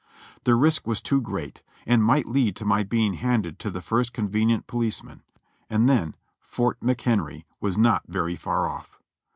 The risk was too great and might lead to my being handed to the first convenient police man, and then Fort McHenry was not very far ofif.